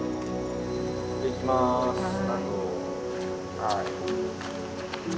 はい。